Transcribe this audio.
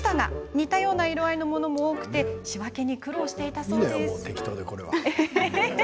似たような色合いのものも多く仕分けに苦労していたそうです。